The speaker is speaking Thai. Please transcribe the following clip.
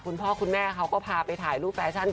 คุณพ่อคุณแม่เขาก็พาไปถ่ายรูปแฟชั่น